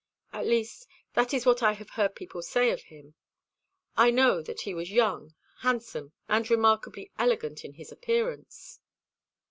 At least that is what I have heard people say of him. I know that he was young, handsome, and remarkably elegant in his appearance."